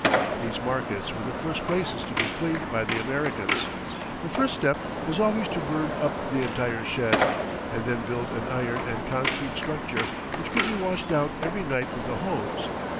These markets were the first places to be cleaned by the Americans. The first step was always to burn up the entire shed, and then build an iron and concrete structure, which could be washed down every night with a hose.